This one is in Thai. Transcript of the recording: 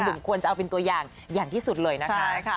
ควรจะเอาเป็นตัวอย่างอย่างที่สุดเลยนะคะ